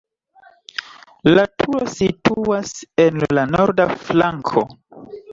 La turo situas en la norda flanko.